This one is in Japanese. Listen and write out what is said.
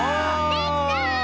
できた！